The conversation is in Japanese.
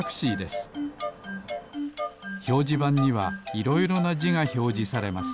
ひょうじばんにはいろいろなじがひょうじされます。